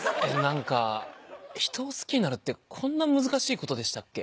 何か人を好きになるってこんな難しいことでしたっけ？